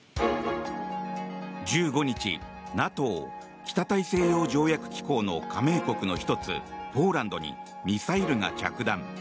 １５日、ＮＡＴＯ・北大西洋条約機構の加盟国の１つポーランドにミサイルが着弾。